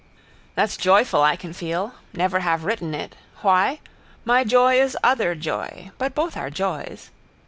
That's joyful I can feel. Never have written it. Why? My joy is other joy. But both are joys.